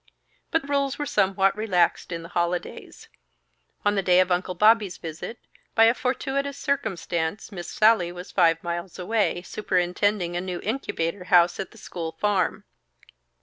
But rules were somewhat relaxed in the holidays. On the day of Uncle Bobby's visit, by a fortuitous circumstance, Miss Sallie was five miles away, superintending a new incubator house at the school farm.